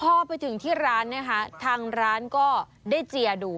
พอไปถึงที่ร้านนะคะทางร้านก็ได้เจียดู